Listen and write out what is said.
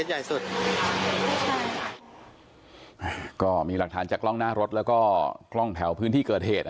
แต่ไม่ได้ไม่ได้ใหญ่แต่นี่ครับอ่าอันนี้คือถือว่าเป็นเคสใหญ่สุด